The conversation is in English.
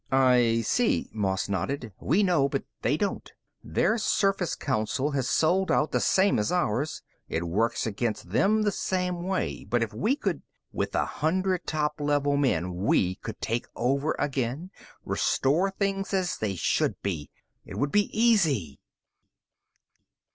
"I see." Moss nodded. "We know, but they don't. Their Surface Council has sold out, the same as ours. It works against them the same way. But if we could " "With a hundred top level men, we could take over again, restore things as they should be! It would be easy!"